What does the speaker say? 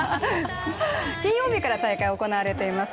金曜日から大会が行われています。